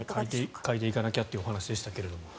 変えていかなきゃというお話でしたけど。